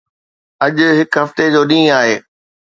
اڄ هڪ هفتي جو ڏينهن آهي.